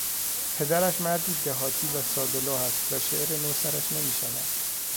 پدرش مردی دهاتی و سادهلوح است و شعر نو سرش نمیشود.